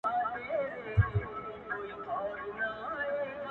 سر او بر یې ګوره مه بس ټولوه یې ,